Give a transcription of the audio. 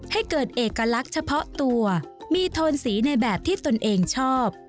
ให้เกิดเอกลักษณ์เฉพาะตัวมีโทนสีในแบบที่ตนเองชอบ